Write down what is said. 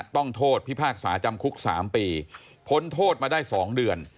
ต้องโทษพิพากษาจำคุก๓ปีพ้นโทษมาได้๒เดือน